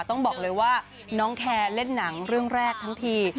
ต้องบอกเลยว่าน้องแคร์เล่นหนังเรื่องแรกทั้งที